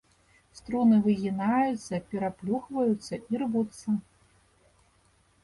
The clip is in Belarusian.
Струны выгінаюцца, пераплюхваюцца і рвуцца.